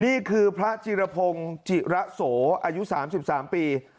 นี่คือพระจิรพงศ์จิระโสอายุ๓๓ปี